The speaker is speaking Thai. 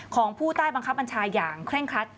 ของผู้ใต้บังคับบัญชาอย่างเคร่งครัด